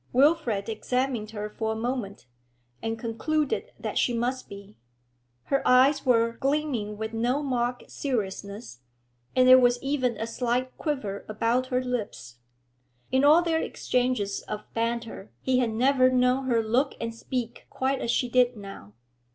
Wilfrid examined her for a moment, and concluded that she must be. Her eyes were gleaming with no mock seriousness, and there was even a slight quiver about her lips. In all their exchanges of banter he had never known her look and speak quite as she did now.